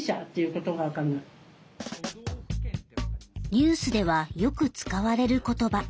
ニュースではよく使われる言葉。